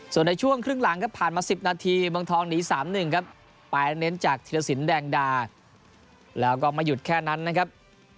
ส่วนในช่วงครึ่งหลังครับผ่านมา๑๐นาทีเมืองทองหนี๓๑ครับไปเน้นจากธิรสินแดงดาแล้วก็ไม่หยุดแค่นั้นนะครับ